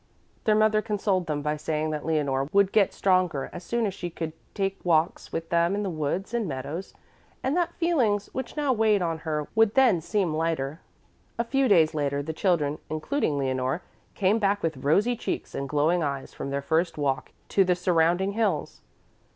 Their mother consoled them by saying that Leonore would get stronger as soon as she could take walks with them in the woods and meadows, and that feelings which now weighed on her would then seem lighter. A few days later the children, including Leonore, came back with rosy cheeks and glowing eyes from their first walk to the surrounding hills.